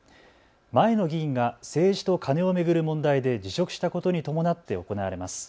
前の議員が政治とカネを巡る問題で辞職したことに伴って行われます。